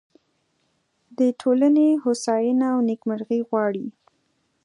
د ټولنې هوساینه او نیکمرغي غواړي.